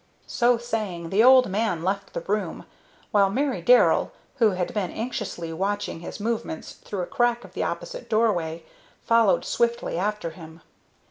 So saying, the old man left the room, while Mary Darrell, who had been anxiously watching his movements through a crack of the opposite doorway, followed swiftly after him.